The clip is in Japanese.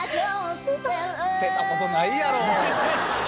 捨てた事ないやろ！